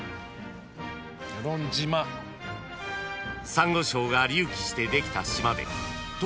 ［サンゴ礁が隆起してできた島で］